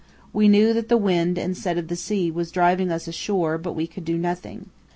We knew that the wind and set of the sea was driving us ashore, but we could do nothing.